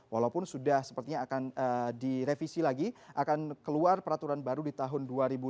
walaupun sudah sepertinya akan direvisi lagi akan keluar peraturan baru di tahun dua ribu dua puluh